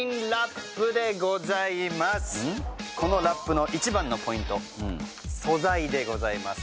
このラップの一番のポイント素材でございます。